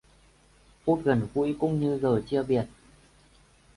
Phút gần gũi cũng như giờ chia biệt